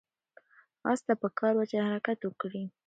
آس ته پکار وه چې حرکت وکړي.